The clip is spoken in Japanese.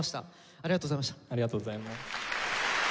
ありがとうございます。